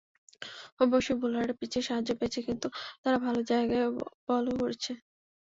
অবশ্যই বোলাররা পিচের সাহায্য পেয়েছে, কিন্তু তারা ভালো জায়গায় বলও করেছে।